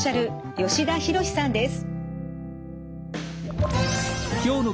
吉田博さんです。